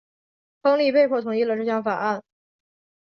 亨利被迫同意了这项法案。